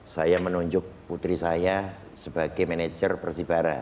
saya menunjuk putri saya sebagai manajer persibara